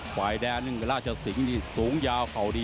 หลายไปด้านก็ร่าชสิงสูงยาวเขาดี